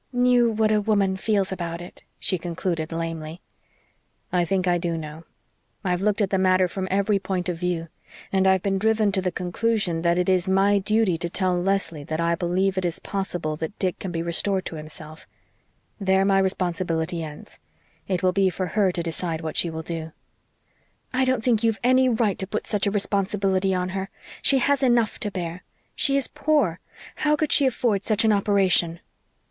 "Knew what a woman feels about it," she concluded lamely. "I think I do know. I've looked at the matter from every point of view and I've been driven to the conclusion that it is my duty to tell Leslie that I believe it is possible that Dick can be restored to himself; there my responsibility ends. It will be for her to decide what she will do." "I don't think you've any right to put such a responsibility on her. She has enough to bear. She is poor how could she afford such an operation?"